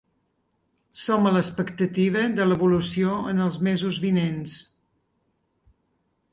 Som a l’expectativa de l’evolució en els mesos vinents.